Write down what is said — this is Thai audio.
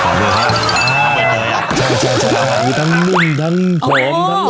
ดังนึงดังแปลงดังด้วยดังด้วยได้